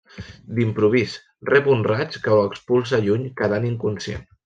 D'improvís, rep un raig que ho expulsa lluny quedant inconscient.